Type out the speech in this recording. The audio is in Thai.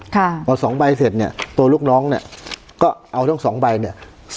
พอสองใบเสร็จเนี่ยตัวลูกน้องเนี่ยก็เอาทั้งสองใบเนี่ย